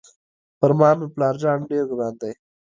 پر ما مې پلار جان ډېر ګران دی.